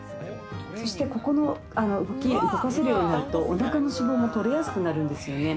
そしてここの動き、動かせるようになると、おなかの脂肪もとれやすくなるんですよね。